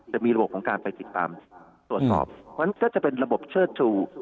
จะมีระบบของการไปติดตามตรวจสอบเพราะฉะนั้นก็จะเป็นระบบเชิดชู